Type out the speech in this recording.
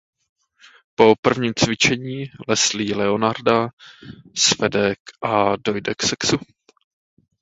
Po prvním cvičení Leslie Leonarda svede a dojde k sexu.